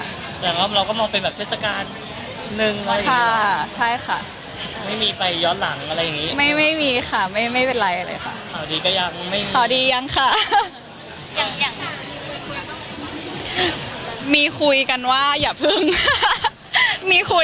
แต่ว่าเราก็มองเป็นแบบเทศกาลนึงอะไรอย่างนี้